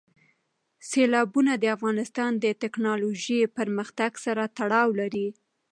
سیلابونه د افغانستان د تکنالوژۍ پرمختګ سره تړاو لري.